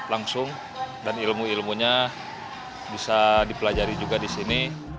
langsung dan ilmu ilmunya bisa dipelajari juga di sini